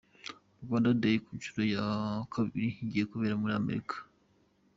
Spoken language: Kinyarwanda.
Rwanda Dayi ku nshuro ya kabiri igiye kubera muri Amerika